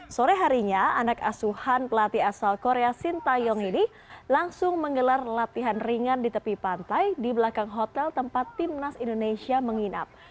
sore harinya anak asuhan pelatih asal korea sintayong ini langsung menggelar latihan ringan di tepi pantai di belakang hotel tempat timnas indonesia menginap